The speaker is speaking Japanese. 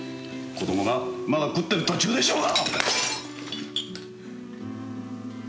子供がまだ食ってる途中でしょうが。